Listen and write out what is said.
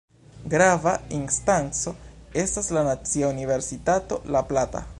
Grava instanco estas la Nacia Universitato La Plata.